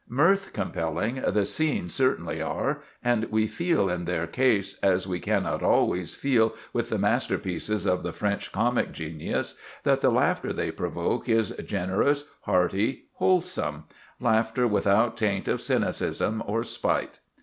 Mirth compelling the "Scenes" certainly are, and we feel in their case, as we cannot always feel with the masterpieces of the French comic genius, that the laughter they provoke is generous, hearty, wholesome—laughter without taint of cynicism or spite.